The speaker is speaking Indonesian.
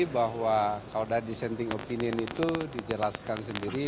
bahwa kalau ada dissenting opinion itu dijelaskan sendiri